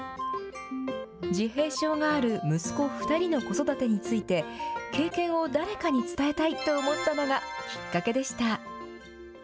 自閉症がある息子２人の子育てについて、経験を誰かに伝えたいと思ったのがきっかけでした。